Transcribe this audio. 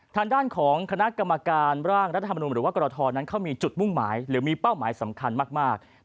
ทางด้านของคณะกรรมการร่างรัฐธรรมนุนหรือว่ากรทนั้นเขามีจุดมุ่งหมายหรือมีเป้าหมายสำคัญมาก